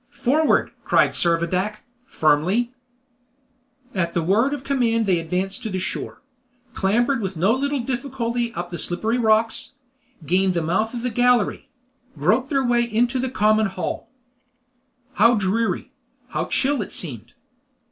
"Forward!" cried Servadac, firmly. At the word of command they advanced to the shore; clambered with no little difficulty up the slippery rocks; gained the mouth of the gallery; groped their way into the common hall. How dreary! how chill it seemed!